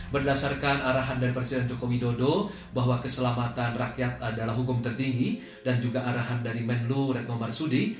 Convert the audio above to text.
berdasarkan arahan dari presiden joko widodo bahwa keselamatan rakyat adalah hukum tertinggi dan juga arahan dari menlu retno marsudi